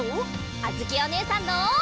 あづきおねえさんの。